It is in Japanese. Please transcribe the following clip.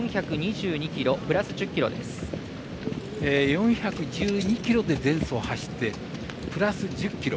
４１２ｋｇで前走、走って、プラス１０ｋｇ。